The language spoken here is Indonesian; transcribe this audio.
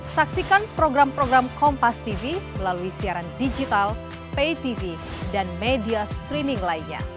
saksikan program program kompas tv melalui siaran digital pay tv dan media streaming lainnya